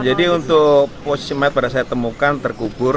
ya jadi untuk posisi mayat yang saya temukan terkubur